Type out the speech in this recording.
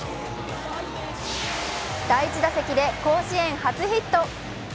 第１打席で甲子園初ヒット。